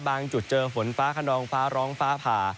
จุดเจอฝนฟ้าขนองฟ้าร้องฟ้าผ่า